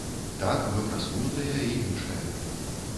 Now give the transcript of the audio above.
Так, мы прасунутыя і іншае.